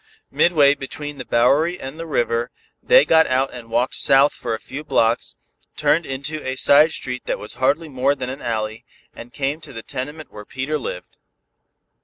Midway between the Bowery and the river, they got out and walked south for a few blocks, turned into a side street that was hardly more than an alley, and came to the tenement where Peter lived.